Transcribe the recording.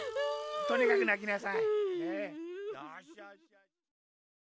とにかくなきなさい。